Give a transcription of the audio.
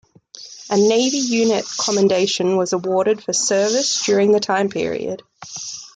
A Navy Unit Commendation was awarded for service during the time period.